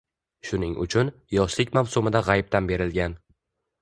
Shuning uchun, yoshlik mavsumida g’aybdan berilgan.